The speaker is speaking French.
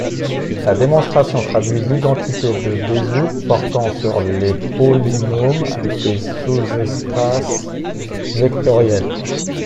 La démonstration traduit l'identité de Bézout portant sur les polynômes à des sous-espaces vectoriels.